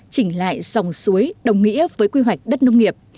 chỉnh lại dòng suối đồng nghĩa với quy hoạch đất nông nghiệp